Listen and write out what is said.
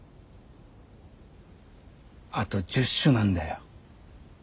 あと１０首なんだよ。